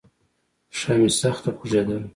پښه مې سخته خوږېدله.